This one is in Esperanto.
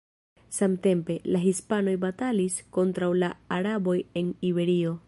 Samtempe, la hispanoj batalis kontraŭ la araboj en Iberio.